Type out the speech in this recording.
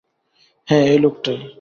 হ্যাঁ, এই লোকটাই।